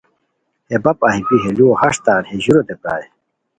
ہتے باپ اہی بی ہے لوؤ ہݰ تان ہے ژوروتے پرائے